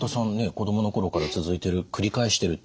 子供の頃から続いてる繰り返してるってことは。